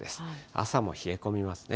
朝も冷え込みますね。